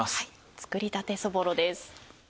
作りたてそぼろです。